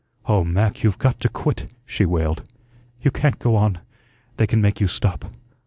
"Oh, Mac, you've got to quit," she wailed. "You can't go on. They can make you stop.